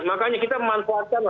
makanya kita memanfaatkan